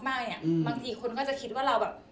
บางทีคนก็จะคิดว่าเราแบบ